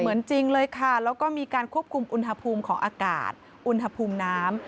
จริงเลยค่ะแล้วก็มีการควบคุมอุณหภูมิของอากาศอุณหภูมิน้ำ